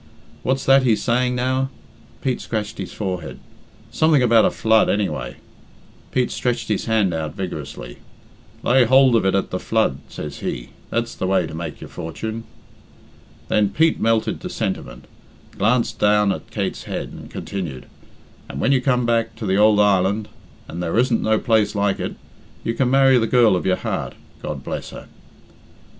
"What's that he's saying, now?" Pete scratched his forehead. "Something about a flood, anyway." Pete stretched his hand out vigorously. "'Lay hould of it at the flood,' says he, 'that's the way to make your fortune.'" Then Pete melted to sentiment, glanced down at Kate's head, and continued, "And when you come back to the ould island and there isn't no place like it you can marry the girl of your heart, God bless her.